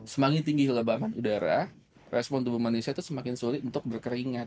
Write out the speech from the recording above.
semakin tinggi lebaman udara respon tubuh manusia itu semakin sulit untuk berkeringat